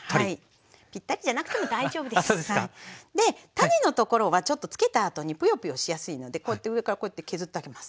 種のところはちょっと漬けたあとにプヨプヨしやすいのでこうやって上からこうやって削ってあげます。